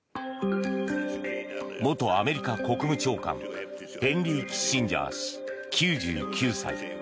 元アメリカ国務長官ヘンリー・キッシンジャー氏９９歳。